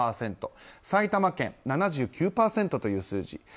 埼玉県、７９％という数字。